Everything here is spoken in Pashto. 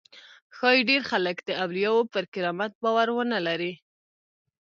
ښایي ډېر خلک د اولیاوو پر کرامت باور ونه لري.